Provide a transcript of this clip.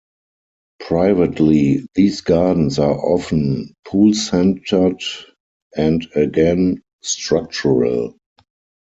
Privately, these gardens are often pool-centred and, again, structural.